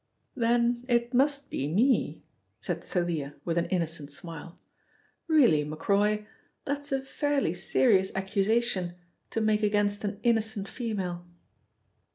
"Then it must be me," said Thalia with an innocent smile. "Really, Macroy, that's a fairly serious accusation to make against an innocent female."